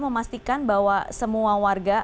memastikan bahwa semua warga